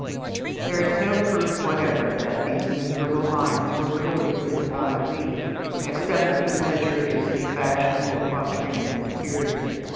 There is no proof whatever that these miserable lines were really written by Lee, except that the measure is the fashionable quatrain of the period.